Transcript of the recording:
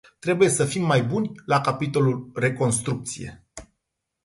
Trebuie să fim mai buni la capitolul reconstrucție.